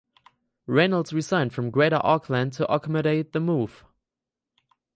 Reynolds resigned from Greater Auckland to accommodate the move.